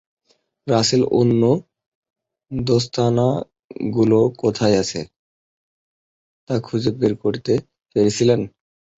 রাসেল অন্য দস্তানাগুলো কোথায় আছে, তা খুঁজে বের করতে পেরেছিলেন।